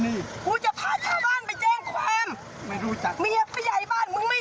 ไม่รู้จักเมียผู้ใหญ่บ้านมึงไม่รู้การราชเทศอะไรเลย